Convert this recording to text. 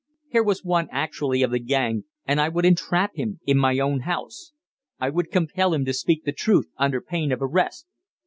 Here was one actually of the gang, and I would entrap him in my own house! I would compel him to speak the truth, under pain of arrest.